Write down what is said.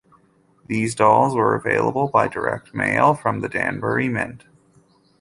These dolls were available by direct mail from the Danbury Mint.